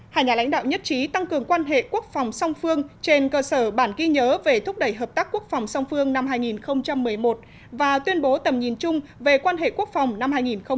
hai nhà lãnh đạo nhất trí tăng cường quan hệ quốc phòng song phương trên cơ sở bản ghi nhớ về thúc đẩy hợp tác quốc phòng song phương năm hai nghìn một mươi một và tuyên bố tầm nhìn chung về quan hệ quốc phòng năm hai nghìn một mươi chín